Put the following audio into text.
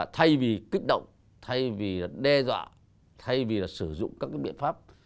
thay vì kích động thay vì đe dọa thay vì sử dụng các biện pháp